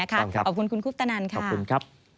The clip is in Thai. ขอบคุณคุณคุปตนันค่ะขอบคุณครับ